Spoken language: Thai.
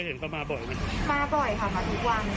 เคยเห็นเขามาบ่อยไหมมาบ่อยค่ะค่ะทุกวัน